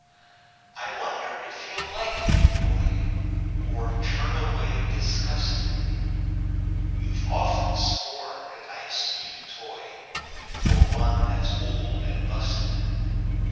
I wonder if you'll like it, boy, Or turn away disgusted (You've often scorned a nice, new toy For one that's old and busted.)